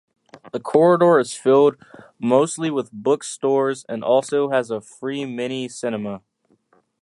This corridor is filled mostly with bookstores, and also has a free mini-cinema.